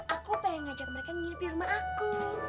aku pengen ngajak mereka nginap di rumah aku